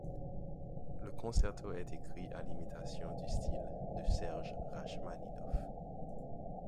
Le concerto est écrit à l'imitation du style de Serge Rachmaninoff.